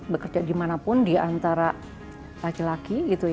bekerja dimanapun di antara laki laki